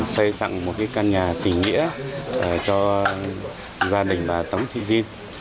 xây dựng một căn nhà tỉnh nghĩa cho gia đình và tống thị diên